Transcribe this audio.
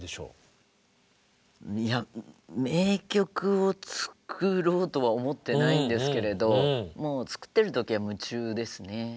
いや名曲を作ろうとは思ってないんですけれど作ってる時は夢中ですね。